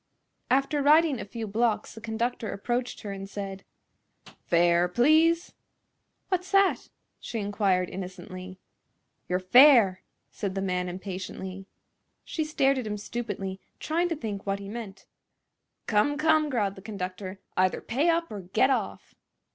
After riding a few blocks the conductor approached her and said: "Fare, please!" "What's that?" she inquired, innocently. "Your fare!" said the man, impatiently. She stared at him stupidly, trying to think what he meant. "Come, come!" growled the conductor, "either pay up or get off!"